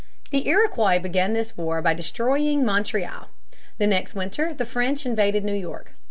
The Iroquois began this war by destroying Montreal. The next winter the French invaded New York.